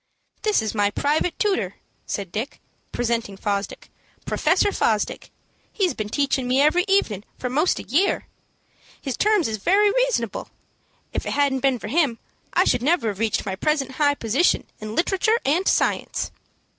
"This is my private tutor," said Dick, presenting Fosdick, "Professor Fosdick. He's been teachin' me every evenin' for most a year. His terms is very reasonable. If it hadn't been for him, I never should have reached my present high position in literature and science."